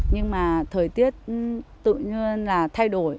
nhưng mà thời tiết tự nhiên là thay đổi